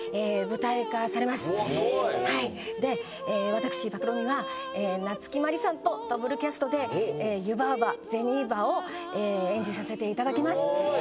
私朴美は夏木マリさんとダブルキャストで湯婆婆銭婆を演じさせて頂きます。